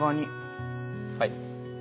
はい。